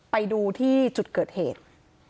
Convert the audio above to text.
ไปดูที่จุดเกิดเหตุ